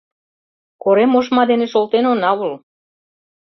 Корем ошма дене шолтен она ул